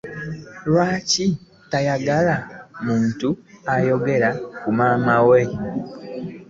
Lwaki toyagala muntu ayogera ku maama wo?